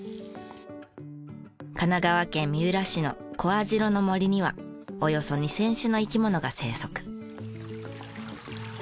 神奈川県三浦市の小網代の森にはおよそ２０００種の生き物が生息。